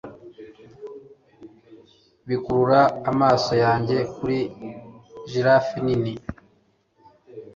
bikurura amaso yanjye kuri giraffe nini